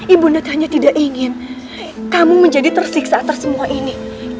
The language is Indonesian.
ibu net hanya tidak ingin kamu menjadi tersiksa atas semua ini